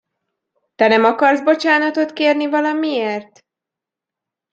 Te nem akarsz bocsánatot kérni valamiért?